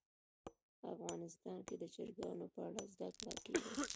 افغانستان کې د چرګانو په اړه زده کړه کېږي.